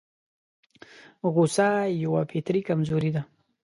غوسه يوه فطري کمزوري ده.